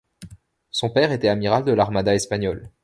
Son père était amiral de l'Armada espagnole.